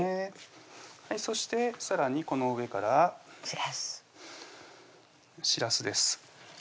そしてさらにこの上からしらすしらすです